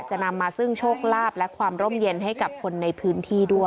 จะนำมาซึ่งโชคลาภและความร่มเย็นให้กับคนในพื้นที่ด้วย